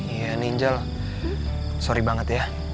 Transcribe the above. iya ningel sorry banget ya